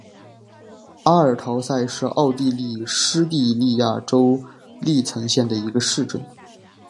阿尔陶塞是奥地利施蒂利亚州利岑县的一个市镇。